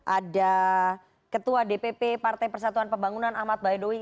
ada ketua dpp partai persatuan pembangunan ahmad baidowi